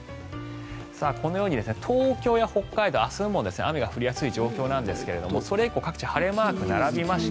このように東京や北海道明日も雨が降りやすい状況なんですがそれ以降、各地晴れマークが並びます。